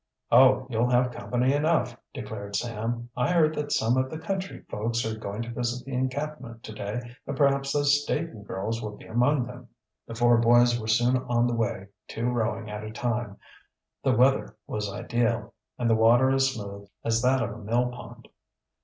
"Oh, you'll have company enough," declared Sam. "I heard that some of the country folks are going to visit the encampment to day and perhaps those Staton girls will be among them." The four boys were soon on the way, two rowing at a time. The weather was ideal, and the water as smooth as that of a mill pond.